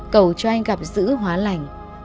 cầu cho anh gặp giữ hóa lành